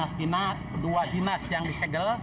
dua dinas yang disegel